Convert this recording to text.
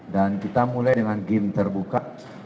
kita mulai dengan game terbuka